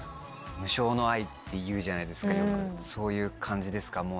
っていうじゃないですかよくそういう感じですか？